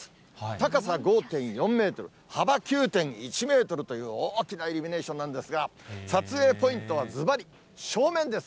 高さ５．４メートル、幅９．１メートルという大きなイルミネーションなんですが、撮影ポイントはずばり正面です。